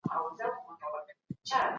خپله تجربه له نورو مه پټوئ.